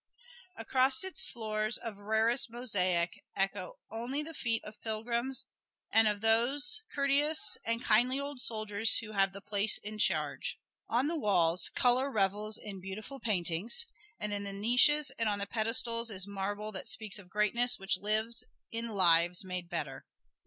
Across its floors of rarest mosaic echo only the feet of pilgrims and those of the courteous and kindly old soldiers who have the place in charge. On the walls color revels in beautiful paintings, and in the niches and on the pedestals is marble that speaks of greatness which lives in lives made better.